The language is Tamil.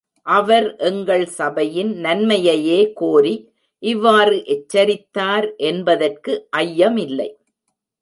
அவர் எங்கள் சபையின் நன்மையையே கோரி இவ்வாறு எச்சரித்தார் என்பதற்கு ஐயமில்லை.